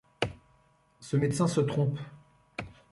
Ce médecin se trompe.